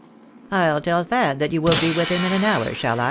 I'll tell Fad that you will be with him in an hour, shaUI?"